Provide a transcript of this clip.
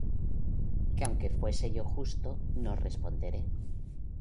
Que aunque fuese yo justo, no responderé;